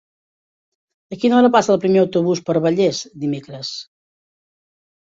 A quina hora passa el primer autobús per Vallés dimecres?